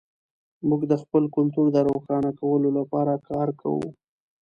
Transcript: موږ د خپل کلتور د روښانه کولو لپاره کار کوو.